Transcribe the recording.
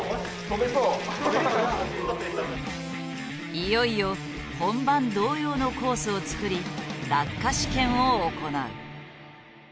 いよいよ本番同様のコースを作り落下試験を行う。